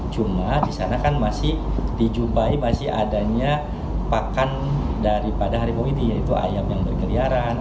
hal ini merupakan bagian daripada siklus pergerakan